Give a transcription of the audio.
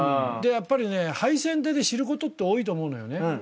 やっぱりね敗戦で知ることって多いと思うのよね。